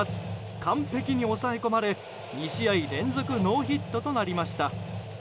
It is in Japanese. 完ぺきに抑え込まれ２試合連続ノーヒットとなりました。